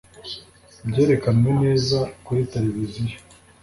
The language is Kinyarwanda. Byerekanwe neza kuri televiziyo